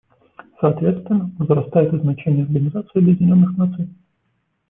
Соответственно, возрастает и значение Организации Объединенных Наций.